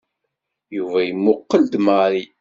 Yuba imuqel-d Mary.